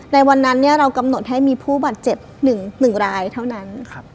ในวันนั้นเรากำหนดให้มีผู้บาดเจ็บ๑รายเท่านั้น